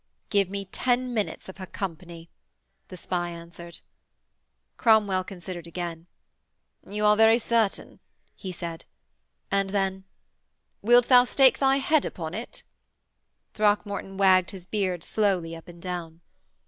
'Give me ten minutes of her company,' the spy answered. Cromwell considered again. 'You are very certain,' he said; and then: 'Wilt thou stake thy head upon it?' Throckmorton wagged his beard slowly up and down.